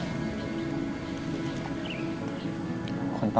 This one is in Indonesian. itu sudah mulai